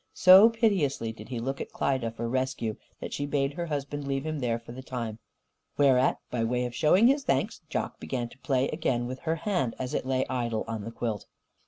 So piteously did he look to Klyda for rescue that she bade her husband leave him there for the time. Whereat, by way of showing his thanks, Jock began again to play with her hand as it lay idle on the quilt.